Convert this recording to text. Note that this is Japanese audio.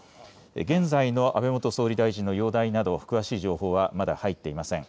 現在の安倍元総理大臣の容体など詳しい情報はまだ入っていません。